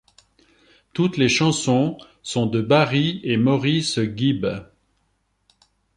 Toutes les chansons sont de Barry et Maurice Gibb.